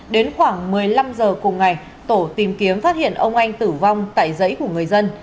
đến khoảng một mươi năm h cùng ngày tổ tìm kiếm phát hiện ông anh tử vong tại giấy của người dân